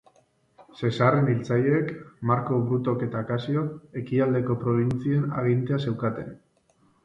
Zesarren hiltzaileek, Marko Brutok eta Kasiok, ekialdeko probintzien agintea zeukaten.